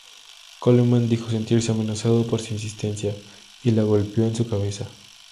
Coleman dijo sentirse "amenazado por su insistencia" y la golpeó en su cabeza.